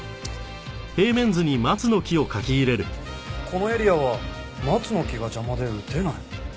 このエリアは松の木が邪魔で撃てない。